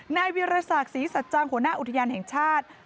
นายวิรสักศรีสัจจังหัวหน้าอุทยานแห่งชาติ